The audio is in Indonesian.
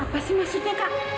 apa sih maksudnya kak